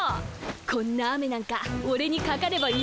こんな雨なんかオレにかかればイチコロだぜ。